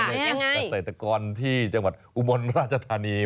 การาศัยตกรที่จังหวัดอุบรรณราชภาณี